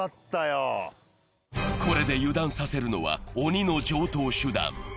これで油断させるのは鬼の常とう手段。